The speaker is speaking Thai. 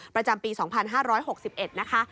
ประจำปี๒๕๖๑นะคะ